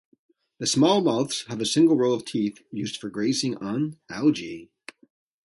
The small mouths have a single row of teeth used for grazing on algae.